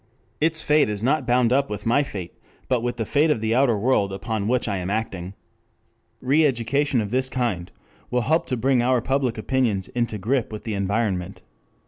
Its fate is not bound up with my fate, but with the fate of the outer world upon which I am acting. 5 Re education of this kind will help to bring our public opinions into grip with the environment.